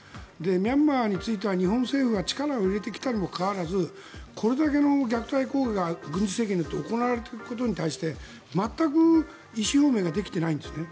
ミャンマーについては日本政府が力を入れてきたにもかかわらずこれだけの虐待行為が軍事政権によって行われていることに対して全く意思表明ができていないんですね。